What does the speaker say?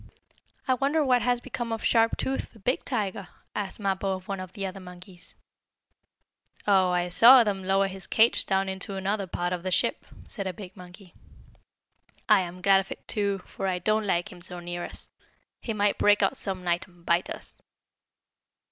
"I wonder what has become of Sharp Tooth, the big tiger?" asked Mappo, of one of the other monkeys. "Oh, I saw them lower his cage down into another part of the ship," said a big monkey. "I am glad of it, too, for I don't like him so near us. He might break out some night, and bite us."